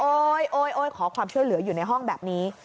โอ๊ยขอความช่วยเหลืออยู่ในห้องแบบนี้